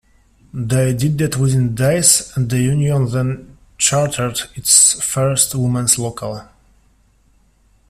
They did that within days and the union then chartered its first women's local.